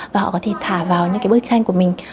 và họ có thể thả vào những cái bức tranh của mình